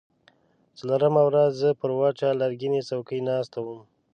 څلورمه ورځ زه پر وچه لرګینۍ څوکۍ ناسته وم.